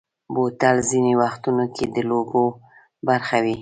بوتل ځینې وختو کې د لوبو برخه وي.